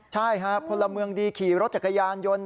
ใช่ครับพลเมืองดีขี่รถจักรยานยนต์